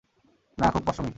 না, খুব পশমী।